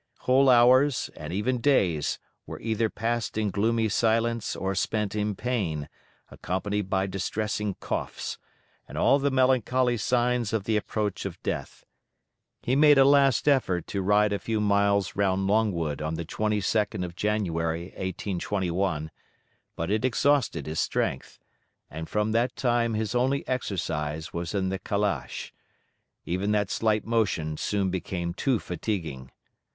Whole hours, and even days, were either passed in gloomy silence or spent in pain, accompanied by distressing coughs, and all the melancholy signs of the approach of death. He made a last effort to ride a few miles round Longwood on the 22d of January 1821, but it exhausted his strength, and from that time his only exercise was in the calash. Even that slight motion soon became too fatiguing.